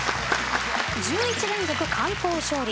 １１連続完投勝利